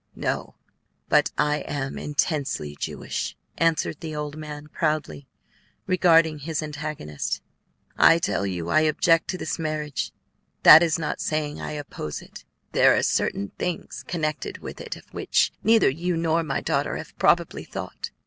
"No; but I am intensely Jewish," answered the old man, proudly regarding his antagonist. "I tell you I object to this marriage; that is not saying I oppose it. There are certain things connected with it of which neither you nor my daughter have probably thought.